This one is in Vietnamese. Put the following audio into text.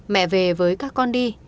mẹ về với các con đi